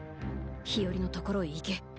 陽桜莉のところへ行け。